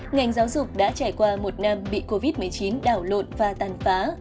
ngành giáo dục đã trải qua một năm bị covid một mươi chín đảo lộn và tàn phá